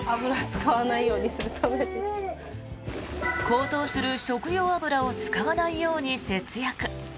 高騰する食用油を使わないように節約。